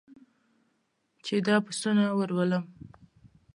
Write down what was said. چې دا پسونه ور ولم.